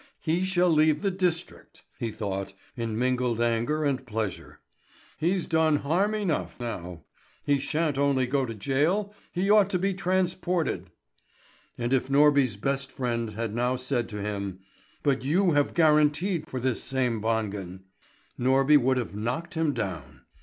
"He shall leave the district!" he thought, in mingled anger and pleasure. "He's done harm enough now. He shan't only go to jail; he ought to be transported!" And if Norby's best friend had now said to him: "But you have guaranteed for this same Wangen," Norby would have knocked him down.